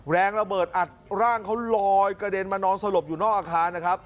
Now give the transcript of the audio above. แรงระเบิดอัดร่างเขาลอยกระเด็นมานอนสลบอยู่นอกอาคารนะครับ